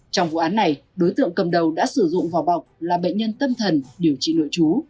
trong vụ án này đối tượng cầm đầu đã sử dụng vỏ bọc là bệnh nhân tâm thần điều trị nội chú